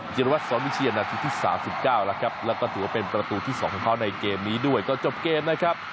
จีนวัดสอนวิชีอาณาทีที่๓๙และถือว่าเป็นประตูที่๒ของเขาในเกมนี้ด้วยก็จบเกมนะครับ